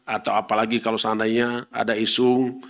atau apalagi kalau seandainya ada isu